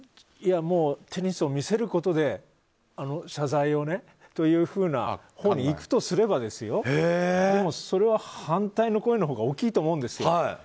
もう、テニスを見せることで謝罪をというふうにいくとするとでも、それは反対の声のほうが大きいと思うんですよ。